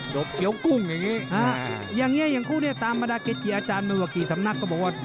โดบเกี๊ยวกุ้งอย่างนี้ฮะอย่างเงี้ยอย่างคู่เนี่ยตามประดาษเกี๊ยวอาจารย์เมื่อกี้สำนักก็บอกว่า